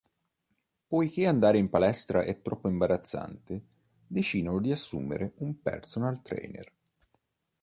Poiché andare in palestra è troppo imbarazzante, decidono di assumere un personal trainer.